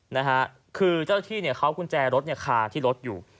นะฮะคือเจ้าที่เนี่ยเขากุญแจรถเนี่ยคาที่รถอยู่